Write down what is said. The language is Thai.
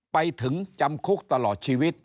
ไปถึงจำคุกตลอดชีวิต